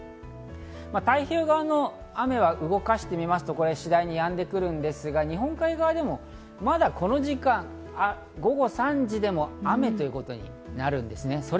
太平洋側の雨を動かしてみますと次第にやんでくるんですが、日本海側でもまだこの時間、午後３時でも雨ということになるんですね。